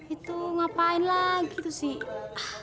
itu ngapain lagi tuh sih